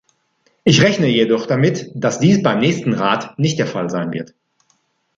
Ich rechne jedoch damit, dass dies beim nächsten Rat nicht der Fall sein wird.